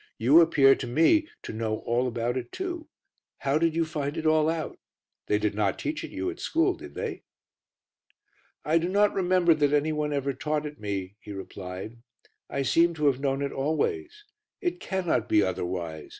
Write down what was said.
You appear to me to know all about it too. How did you find it all out? They did not teach it you at school, did they?" "I do not remember that any one ever taught it me," he replied; "I seem to have known it always. It cannot be otherwise.